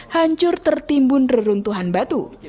hancur tertimbun reruntuhan batu